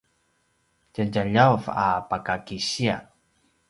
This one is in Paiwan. tjadjaljav a pakakisia